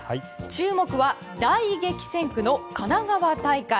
注目は大激戦区の神奈川大会。